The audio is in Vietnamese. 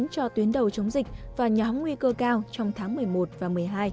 cho tuyến đầu chống dịch và nhóm nguy cơ cao trong tháng một mươi một và một mươi hai